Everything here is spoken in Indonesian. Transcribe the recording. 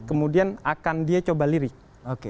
kemudian akan dia coba lirik